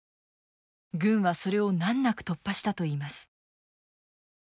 軍はそれを難なく突破したといいます。